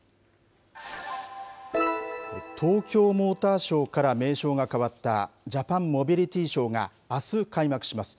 東京モーターショーから名称が変わったジャパンモビリティショーがあす、開幕します。